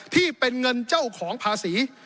ที่เป็นเงินเจ้าของภาษี